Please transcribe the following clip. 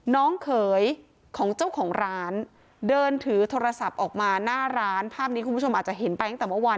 เขยของเจ้าของร้านเดินถือโทรศัพท์ออกมาหน้าร้านภาพนี้คุณผู้ชมอาจจะเห็นไปตั้งแต่เมื่อวาน